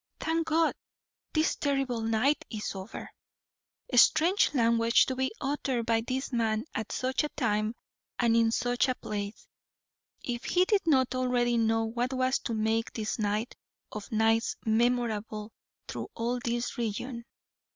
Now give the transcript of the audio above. "Thank God! this terrible night is over!" Strange language to be uttered by this man at such a time and in such a place, if he did not already know what was to make this night of nights memorable through all this region.